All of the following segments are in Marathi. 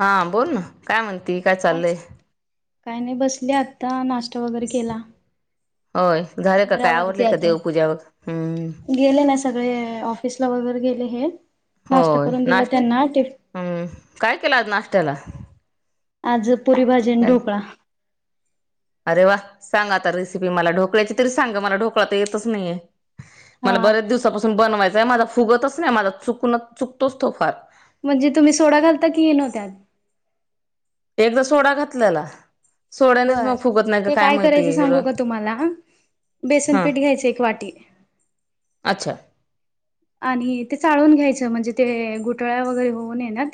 हा बोल ना, काय म्हणती? काय चाललय? काही नाही बसली आत्ता,, नाश्ता वगैरे केला. होय झाले का काय घरावरती आवरले आ,, का ता देवपूजा वग हम्म गेले ना सगळे, ऑफऽऽ स ला वगैर गेले हे, नाश्ता होय, करून दिला नाश्, त्यांना टिफ हम् काय केलं आज नाश्त्याला? आज पुरी भाजीनं याल ढोकळा. अरे वा,, सांग आता रेसिपी मला,, ढोकळ्याची तरी सांग ग मला, ढोकळा तर येतच नाहीयेऽऽ मला हा बऱ्याच दिवसापासून बनवायचांय माझा फुगतच नाही माझा चुकण चुकतोच तो फार. म्हणजे तुम्ही सोडा घालता की ईनो त्यात. एकदा सोडा घातल्याला,, सोड्यानेच बर मग फुगत नाही का ते काय माहिती? करायचं सांगू का तुम्हाला हां बेसनपीठ घ्यायचं एक वाटी, अच्छा, आणि ते चाळून घ्यायचं,, म्हणजे ते घोटाळ्या वगैरे होऊनये ना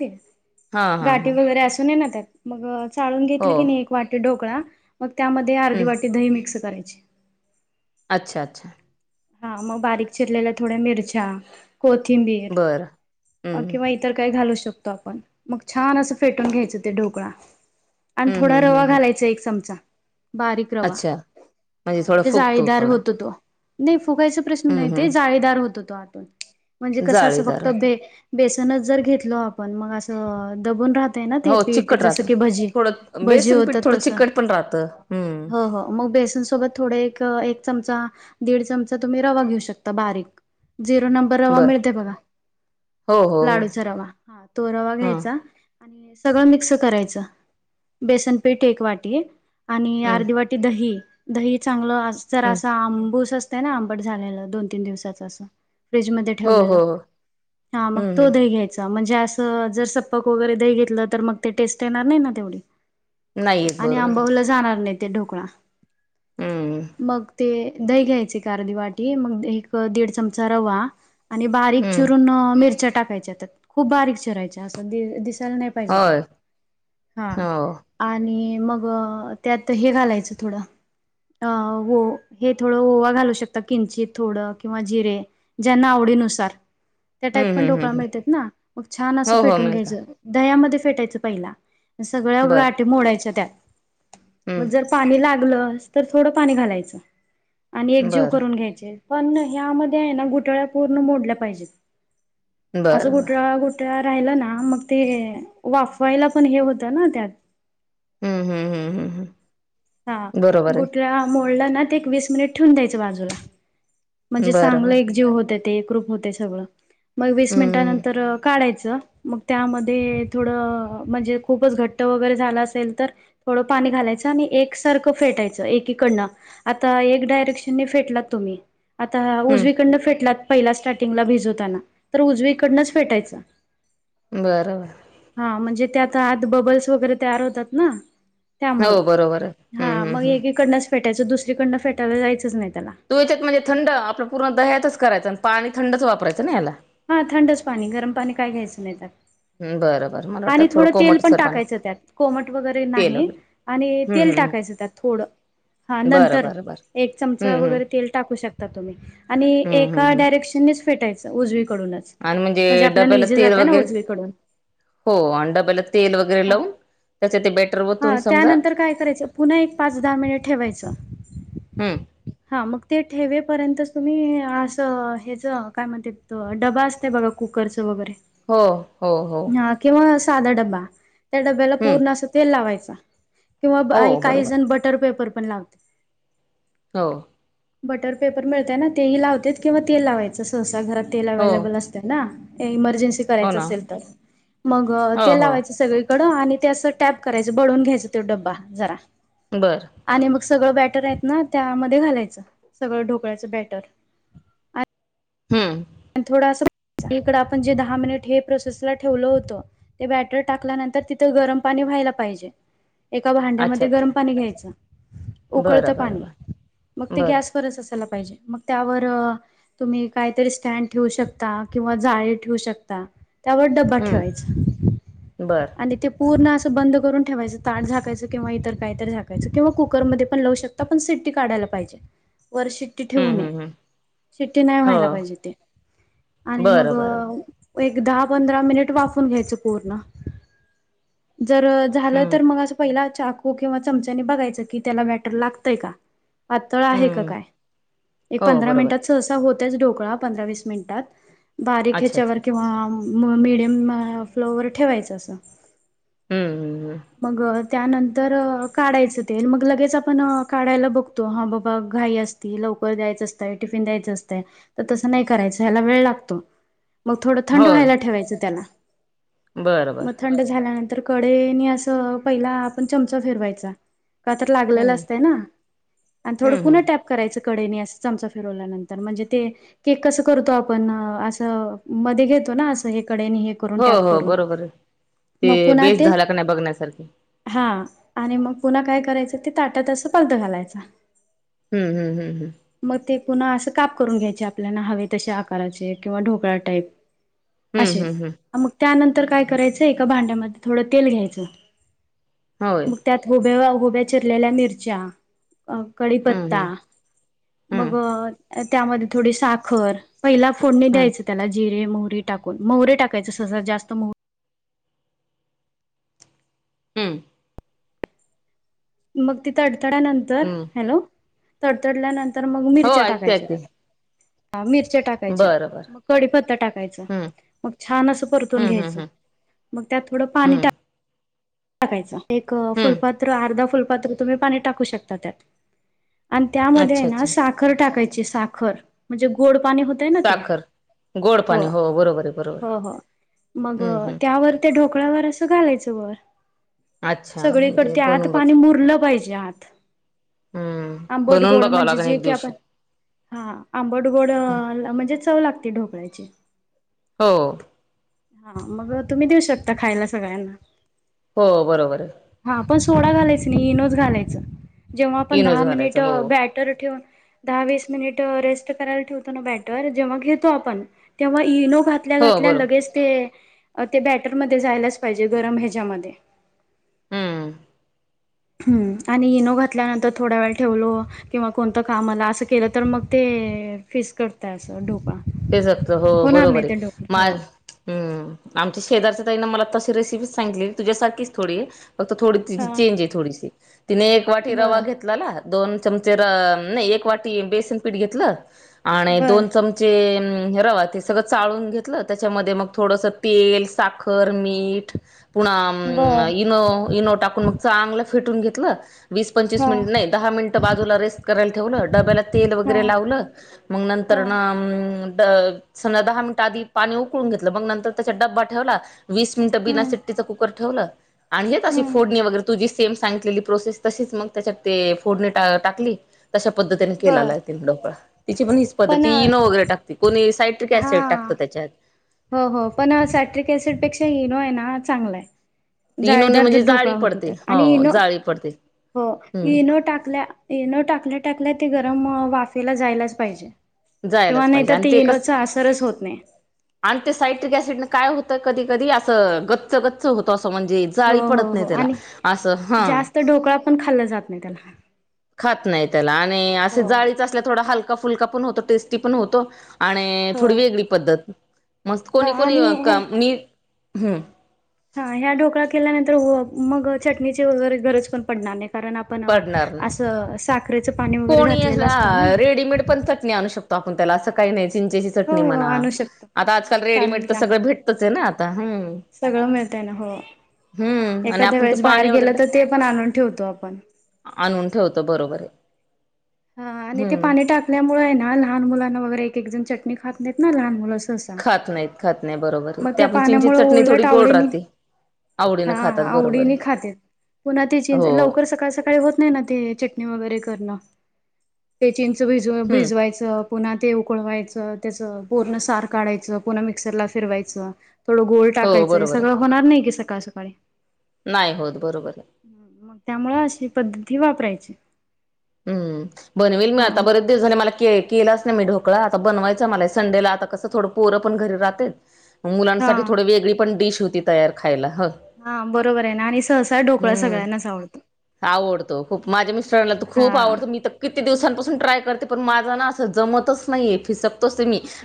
हां तेऽऽ हां गाठी हां वगैरे असू नये ना त्यात,, मग चाळून हो घेतले की नाही एक वाटी ढोकळाऽऽ मग त्यामध्ये अर्धी हं, वाटी दही मिक्स करायची. अच्छा, अच्छा, हा मग बारीक चिरलेल्या थोड्या मिरच्याऽऽ कोथिंबीर, बरं हं, किंवा इतर काय घालू शकऽऽ शतो आपण,, मग छान अस फेटून घ्यायचं ते ढोकळाऽऽ आणि हं, थोडा हं, हं, रवा हं, घालायचा एक चमचा, बारीक रवा,, अच्छा थोडा म्हणजे फुगतो जाळीदार थोडा होतो तोऽऽ नाही फुगायचा प्रश्न नाही हम्म ते,, हम्म जाळीदार होतो तो आतून,, म्हणजे कस अस जाळीदार होत फक्तेऽऽ नुच जर घेतलो आपन, मग असं दबून रातऽऽ ना ते हो पीठ चिकट जस राहतं की भजी, थोडं भजी बेसन पीठ होतात थोडं तस,, चिकट पण राहतं हम्म हो, हो मगऽऽ बेसन सोबत थोडे एक,, चमचा दीड चमचा तुम्ही रवा घेऊ शकता, बारीकऽऽ झिरो नंबर रवा बर मिळतय बघा,, हो हो हो लाडूचा रवा,, हा, तो रवा हां घ्यायचा. आणि सगळं मिक्स करायचं,, बेसनपीठ एक वाटी, आणि हम्म अर्धी वाटी दही,, दही चांगलं अस जर हम्म असा आंबूसऽऽ असतं ना आंबट झालेलं,, दोन तीन दिवसाचं असंऽ फ्र्रीज मधे हो ठेवलेलं,, हो हो हा मग हम्म तो दही हम्म घ्यायचा म्हणऽऽ जास्त,, जर सप्क वगैरे देही घेतलं तर मग ते टेस्ट येणार नाही ना तेवढऽऽ नाही येत आणि बरोबर आंबवल जाणार नाही. ढोकळा,, हम्म मग ते दही घ्यायचऽऽ एक अर्धी वाटी,, ऐक दिड चमचा रवा, आणि बारिक हम्म चिरुन मिरच्या ऽऽ टाकायच्या त्यात, खूप बारीक चिरायच्या असऽऽ नाही पायजे,, होय हं,, हो आणीऽऽ मग,, त्यात हे घालायच थोड,, थोडंऽऽ ओवाऽ घालू शकता किंचित थोडं,, किंवा जिरे, ज्यांना आवडीनुसार. त्या हम्म टाईप पण हम्म हम्म डोकळा हम्म मिळतात ना,, मग छान असं हो हो फेटून मिळता घ्यायचं,, दह्यामध्ये फेटायचं पहिला. सगळ्या बर गाटी मोडायच्या त्यात. मग हम्म जर पाणी लागलंच, तर थोडं पाणी घालायचं. आणि एक जीव बरं करून घ्यायचे,, पण ह्यामध्ये आहे ना घोटाळ्या पूर्ण मोडल्या पाहिजेत. असं बरं बरं गुठळ्या, गुठळ्या ऽऽ राहिल ना,, मग ते वाफवायला पण हे होत ना त्यातऽऽ हम्म, हम्म, हम्म, हम्म, हम् हां, गुठला मोडला ना ते एक वीस मिनिट ठेऊून द्यायचं बाजूला. आहे म्हणजे चांगलं बरोबर एक जीव होतय ते एक ग्रुप होतय सगळं, मग वीस हम्म मिनिटानंतर काढायचं. मग त्या मधे, म्हणजे खुपच घट झाल असेल तर थोडं पाणी ऽ घालायच आणि एक ार फेटायच एकीकडन आता एक डायरेक्शन फेटलात तुम्ही आता हम्म उजवीकडनं फेटलात पहिला स्टार्टिंगला भिजवताना तर उजवीकडनंच फेटायचं बरोबर हा म्हणजे त्यात आत बबल्स वगैरे तयार होतात ना त्यामुळं हो बरोबर आहे हा हम्म हम्म मग हम्म एकीकडनंच फेटायचं दुसरीकडनं फेटायला जायचंच नाही त्याला तुच्यात म्हणजे थंड आपलं पूर्ण दह्यातच करायचं आणि पाणी थंडच वापरायचं ना याला हा थंडच पाणी गरम पाणी काय घ्यायचं नाय त्यात हम्म बर आणि थोडं तेल पण टाकायचं त्यात कोमट वगैरे तेल नाही वगैरे आणि हम्म तेल हम्म टाकायचं त्यात थो ळ बरं बरं बर एक चमचा वगैरे तेल टाकू शकता तुम्ही आणि हम्म हम्म एका हम्म डायरेक्शननेच फेटायचं उजवी आणि म्हणजे आपल्याला डब्याला इजी तेल जातय ना वगैरे उजवीकडून हो आण डब्याला तेल वगैरे हा लावून त्याच्या ते बेटर वतून हा समजा त्यानंतर काय करायचं पुन्हा एक पाच दहा मिनिट ठेवायचं हम्म हा मग ते ठेवेपर्यंतच तुम्ही असं हेज काय म्हणत्यात डबा असतय बघा कुकरचं वगैरे हो हो हो हा किंवा साधा डबा त्या डब्याला हम्म पूर्ण असं तेल लावायचं किंवा हो काही बरोबर जण बटर पेपर पण लावते हो बटर पेपर मिळतय ना तेही लावतेत किंवा तेल लावायचं सहसा घरात तेल हो अवेलेबल असतय ना इमर्जन्सी हो करायचं ना असेल तर मग हो तेल हो लावायचं सगळी कडु आणि ते असं टॅप करायचं बळून घ्यायचं तो डब्बा जरा बरं आणि मग सगळं बॅटर आहेत ना त्यामध्ये घालायचं सगळं ढोकळ्याचं बॅटर आ हम्म आण थोडासा इकडं आपण जे दहा मिनिट हे प्रोसेस ला ठेवलं होतं ते बॅटर टाकल्यानंतर तिथं गरम पाणी व्हायला पाहिजे एका अच्छा भांड्यामध्ये अच्छा गरम पाणी घ्यायचं उकळतं बरं बरं पाणी बरं मग ते बरं गॅसवरच असायला मग त्यावर तुम्ही कायतरी स्टँड ठेवू शकता किंवा जाळी ठेवू शकता त्यावर डब्बा हम्म ठेवायचा बरं आणि ते पूर्ण अस बंद करून ठेवायचं ताट झाकायचं किंवा इतर काहीतरी झाकायचं किंवा कुकरमधे पण लावू शकता पण सिट्टी काढाय लाग वर शिट्टी ठेवू हम्म नये हम्म हम्म शिट्टी नाय हो व्हायला पाहिजे ते आणि मग बरं बरं एक दहा पंधरा मिनिट वाफून घ्यायचं पूर्ण जर झालं हम्म तर मग असं पहिला चाकू किंवा चमच्यानी बघायचं की त्याला बॅटर लागतंय का पातळ आहे का हम्म काय एक हो पंधरा बरोबर मिनिटात सहसा होतयच ढोकळा पंधरा वीस मिनिटात बारीक अच्छा अच्छा ह्याच्यावर किंवा म मीडियम फ्लोवर ठेवायचं असं हम्म मग त्यानंतर काढायचं ते मग लगेच आपण काढायला बघतो हा बाबा घाई असतील कुकर द्यायचं असतयं टिफिन द्यायचं असतयं तसं नाही करायचं ह्याला वेळ लागतो मग थोडं थंड होय व्हायला ठेवायचं त्याला बरं म बरं थंड झाल्यानंत तर कडेनी असं पहिला आपण चमचा फिरवायचा का तर लागलेलं हम्म असतंय ना आणि थोडं हम्म हम्म पुन्हा टॅप करायचं कडे अस चमचा फिरवल्यानंतर म्हणजे ते केक कसं करतो आपण असं मध्ये घेतो ना असं हे कडे हे करून हो टॅप हो करून बरोबर आहे मग पुन्हा बेस ते झाला का नाही बघण्यासारखी हा आणि मग पुन्हा काय करायचं ते ताटत असं पालथ घालायच हम्म हम्म हम्म हम्म पुन्हा असं काप करून घ्यायचे आपल्याला हवे तसे आकाराचे किंवा ढोकळा टाईप हम्म असे हम्म हम्म हम्म मग त्यानंतर काय करायचं एका भांड्यामध्ये थोडं तेल घ्यायचं होय मग त्यात होब्या होब्या चिरलेल्या मिरच्या अ हम्म कडीपत्ता हम्म मग हम्म त्यामध्ये थोडी साखर पहिला फोडणी हम्म द्यायचं त्याला जिरे मोहरी टाकून मोहरे टाकायचे सज जास्त मोहर हम्म मग ती तडथड्यानंतर हम्म हॅलो तडतडल्यानंतर तर मग हो मिरच्या ऐकते टाकायच्या ऐकते त्यात मिरच्या टाकायच्या बरं बरं मग कडीपत्ता टाकायचा हम्म मग छान असं परतून हम्म हम्म घ्यायचं हम्म मग त्यात थोडं पाणी हम्म टाक टाकायच एक हम्म फुलपात्र अर्धा फुलपात्र तुम्ही पाणी टाकू शकता त्यात आणि त्यामध्ये आहे अच्छा ना अच्छा साखर टाकायची साखर म्हणजे गोड पाणी होतय ना ते साखर गोड पाणी हो बरोबर आहे बरोबर हो हो मग हम्म हम्म त्यावर त्या ढोकळ्यावर असं घालायचं वर अच्छा सगळीकड म्हणजे ते आत बनून बघ पाणी मुरलं पाहिजे आत हम्म आंबट बनवून गोड बघावं म्हणजे लागेल जे एक की आपण दिवशी हा आंबडगोड म्हणजे चव लागते ढोकळ्याची हो हा मग तुम्ही देऊ शकता खायला सगळ्यांना हो बरोबर हा पण सोडा घालायचं नाही इनोच घालायचं. जेव्हा आपण दहा इनोज मिनिट घालायचा हो बॅटर ठेवून दहा वीस मिनिट रेस्ट करायला ठेवतो आपण तेव्हा जेव्हा घातो आपण त्याव्हा इनो घातल्या हो घातल्या बरोबर लगेच ते ते बॅटन मध्ये जायलाच पाहिजे गरम ह्याच्यामध्ये हम्म हम्म आणि इनो घातल्यानंतर थोड्या वेळ ठेवलो किंवा कोणतं कामाला असं केलं तर मग ते फिस्काडटत अस डोक हे सगत हो बरोबर आहे माझ हो हम्म आमच्या शेजारच्या तईने मला तशी रेसिपी सांगली तुझ्यासारीच थोडी फक्त थोडी तिची हा चेंज आहे थोडीशी तिने एक वाटी बर रवा घेतलाला. दोन चमचे नाही एक वाटी बेसन पीठ घेतलं आणि बर दोन चमचे रवा ते सगळं चाळून घेतलं त्याच्यामध्ये मग थोडस तेल साखर मीठ पुन बर इनो इनो टाकून मग चांगलं फिटून घेतलं. वीस पंचवीस हा मिनिट नाही दहा मिनिट बाजूला रेस्ट करायला ठेवलं डब्याला तेल हा वगैरे लावलं मग नंतर हा ना समजा दहा मिनिटं आधी पाणी उकळून घेतलं मग नंतर त्याचा डब्बा ठेवला वीस मिनिटं हम्म बिनासिट्टीचं कुकर ठेवलं आणि हे अशी हम्म फोडणी वगैरे तुझी सेम सांग प्रोस तशी मग त्याच्यात फोडणी टाकली. तशा पद्धतीने केला बर आहे ति ढोकळा तिची पण हीच पद्धती न, हा त्याच्यात हो हो पण साट्रिक ऍसिड पेक्षा इनो आहे ना. ह चांगला इनोने जाळेदार म्हणजे जर जाळी ढोकळा होतो पडते त्यात आणि हो न, जाळी पडते हो ईनो हम्म टाकल्या टाकल्या टाकल्या ते गरम वाफेला जायलाच पाहिजे, किंवा जायलाच नाही पाहिजे तर आणि ते इनोचा असरच होत नाही [inaudible] आणि ते सायट्रिक सिड काय होत कधी कधी असं गच्च गच्च होत अस म्हणजे हो जाळी हो पडत नाही हो त्याला आणि असं हा [inaudible] जास्त ढोकळा पण खाल्ला जात नाही त्याला खात नाही त्याला आणि असे हो हो जाळीच असल्या थोडा हलका फुलका पण होतो टेस्टी पण होतो. आणि थोडी हो वेगळी पद्धत मस्त हा कोणी कोणी का आणि मी हम्, हा ह्या ढोकळा केल्यानंतर मग चटणीची वगैरे गरज पण पडणार नाही. कारण आपण पडणार नाही अस, कोणी हला रेडीमेड पण चटणी आणू शकतो. त आपण त्याला असं काही नाही चिंचेची हो चटणी हो म्हणा आणू शकतो आता आजकाल रेडीमेड चालेल तर की आण सगळं भेटतच आहे ना, हम्म सगळं मिळतय ना हो, हम्म आणि एखाद्या आपण ते वेळेस बाहेर पाणी गेलं वगैरे तर ते पण आणून ठेवतो आपण तो बरोबर आहे. हा आणि ते हम्म पाणी टाकल्यामुळे आहे ना लहान मुलांना वगैरे एक एक जण चटणी खात नाहीत ना लहान मुला खात नाहीत खात नाही बरोबर आहे त्या आपण चचींची पाण्यामुळे चटणी उलट थोडी गोड आवडीने राहते. हा आवडीनें खातात बरोबर आवडीने आहे. [inaudible] खातेत. पुन्हा त चीन हो लवकर सकाळ सकाळी होत नाही ना ते चटणी वगैरे करणं ते चेंच भज हम्म भिजवायचं पुन. ते उकळवायचं त्याचं पूर्ण सार काढायचं पूर्ण मिक्सरला फिरवायचं, थोडं गोल हो टाकायचं हे बरोबर सगळं आहे होणार नाही की सकाळ सकाळी नाही होत बरोबर, आहे [inaudible] त्यामुळं अशी पद्धती वापरायची. हम्म बनवेल म हा आता बरेच दिवस झाले मला कय केलाच नाही मी ढोकळा आता बनवायचा मला संडेला आता कसं थोडं पोरं पण घरी राहत मुलांसाठी हा. थोडी वेगळी पण डिश होती तयार खायला ह हा बरोबर आहे ना आणि सहसा ढोकळा हम्म सगळ्यांनाच आवडतो. आवडतो खूप माझ्या मिस्टरांला तर हा खूप आवडतो मी तर किती दिवसपासून ट्राय कर पण माझ ना जमतच नाही फकतो मीच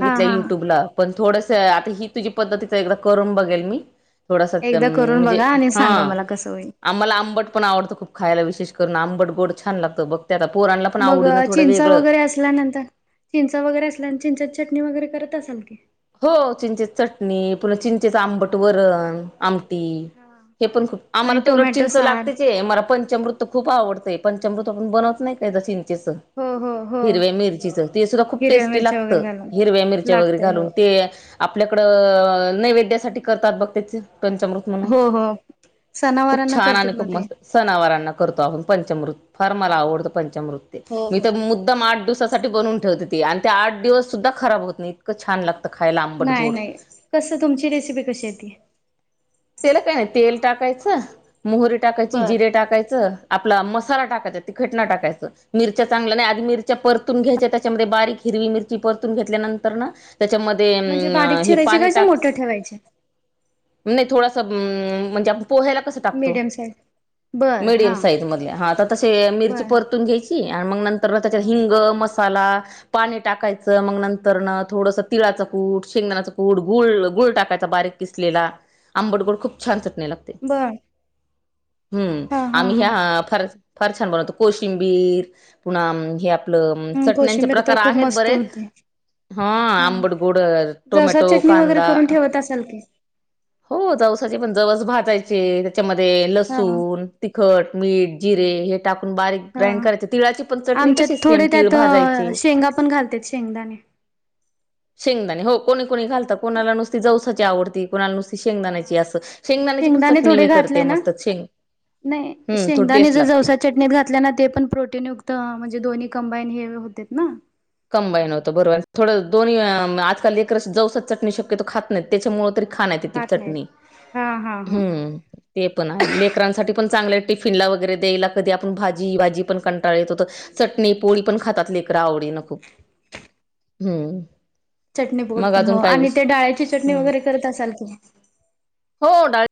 हा हा. युट्युबला पण थोडस आता ही तुझी पद्धती करून बघेल म थोडासा एकदा करून बघा म्हणजे आणि हा सांगा मला कसं होईल. आम्हाला आंबट पण आवडतं खूप खायला विशेष नामबडबोड छान लागतं बघ मग चिंचा वगैरे असल्यानंतर चिंचा वगैरे असल्या चिंचाची चटणी वगैरे करत असाल क हो चिंचेची चटणी पुन्हा चिंचेचं आंबट वरण आम हे पण खूप आम्हाला आणि त उलट टोमॅटो चिंच सार लागतेच मला पंचमृत खूप आवडतंयं चमृत आपण बनवत नाही काय त हो हो हो हव मिर सुा खूप हिरव्या टेस्टी मिरच्या लागत वगैरे घालून हिरव्या मिरच्या वगरे लागतय हो घालून आपल्याकडं नैवेद्यासाठी करतात बघते पंचामृत म्हणून हो हो खूप सणावारांना छान आणि करतात ना खूप ते मस्त सनावरांना करतो आपण पंचमृत्य फार मला आवडतं पंचमृत्य हो मी हो तर मुद्दम आठ दिवस साठी बनून ठेवते ती आणि ते आठ दिवस सुद्धा खराब होत नाही इतं छान लागत नाही नाही कसं तुमची रेसिपी कशी येती त्याला काय नाही तेल टाकायचं मोहरी टाकायची बर जिरे टाकायचं आपला मसाला टाकायचा तिखटं टाकायचं मिरच्या चांगल्या नाही आधी मिरच्या परतून घ्यायच्या त्याच्यामध्ये बारीक हिरवी मिरची परतून घेतल्यानंतर ना त्याच्यामध्ये म्हणजे बारीक अं हे चिरायचे पाणी कसे टाक मोठे ठेवायचे थोडसं म्हणजे पोह्याला कसं टाकतो मीडियम साईज बर मीडियम हा साईजमधले हां तर तसे मिरची बर परतून घ्यायची मग नंतर मग त्याच्यात हिंग मस्त ला पाणी टाकायचं मग नंतर न थोडस तिळाच कूट शेंगदाण्याच कूट गुळ गुळ टाकायचा बारीक किसलेला आंबडगोड खूप छान चटणे लागते बर हम्म हा हा आम्ही हा ह्या फार फार छान बनवत कोशिंबीर पुन्हा हे आपलं चटण्यांचे कोशिंबीर प्रकार तर खूप आहेत मस्त बरेच होते हा आंबड गोड जवसा टोमॅटो चटणी वगैरे कांदा करून ठेवत असाल की? हो जवसाचे पण जवस भजायचे त्याच्यामध्ये हा. लसूण तिखट मीठ जिरे हे टाकून बारीक ग्राईंड हा करायची तिळाची पण चटणी आमच्यात तशीच सेम थोडे तीळ त्यात भाजायचे शेंगा पण घालतेत शेंगदाणे. शेंगदाणे हो कोणी कोणी घालतं कोणाला नुसती जौसाची आवडती कोणाला नुसती शेंगदाण्याची अस शेंगदाण्याची पण शेंगदाणे चटणी थोडे मी करते घातले ना मस्त शेंग नाही हम्म थोडी शेंगदाणे टेस्ट जर लागते जवसा चटणीत घातल्या ना ते पण प्रोटीनयुक्त म्हणजे दोन कंबाईन हे होते ना कंबाईन होतं बरोबर थोडं दोन्ही आजकाल लेकर जवसच चटणी शक्यतो खात नाहीत त्याच्यामुळे तर खाण्यात येती खात नाहीत. चटणी हा हा हा ते पण आहे लेकरांसाठी पण चांगल्या टिफिनला वगैरे द्यायला कधी आपण भाजी भाजी पण कंटाळ येत होत चटणी पोळी पण खातात लेकर तर आवडीने खूप हम्म चटणी बोर्ड पण हो आणि ते डाळीची चटणी हं. वगैरे करत असाल की हो डाळ